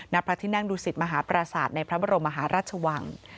นับพระที่นั่งดูสิทธิ์มหาประสาทในพระบรมมหาราชวัง